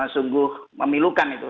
sungguh memilukan itu